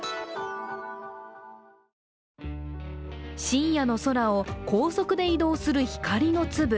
深夜の空を高速で移動する光の粒。